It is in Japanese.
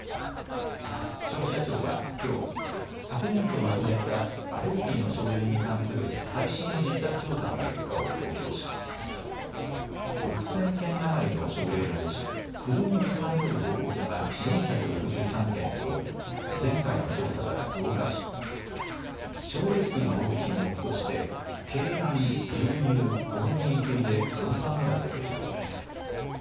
消費者庁はきょう昨年度まとめたアレルギーの症例に関する最新の実態調査の結果を公表し６０００件余りの症例のうちくるみに関する報告が４６３件と前回の調査から増加し症例数の多い品目として鶏卵、牛乳、小麦に次いで４番目だったということです。